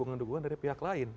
dukungan dukungan dari pihak lain